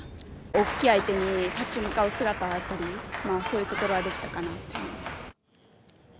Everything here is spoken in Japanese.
大きい相手に立ち向かう姿だったりそういうところはできたかなと思います。